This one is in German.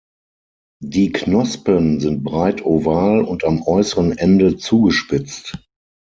Die Knospen sind breit oval und am äußeren Ende zugespitzt.